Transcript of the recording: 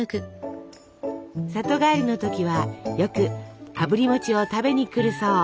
里帰りの時はよくあぶり餅を食べに来るそう。